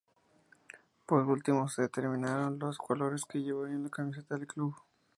Por último se determinaron los colores que llevaría la camiseta del club.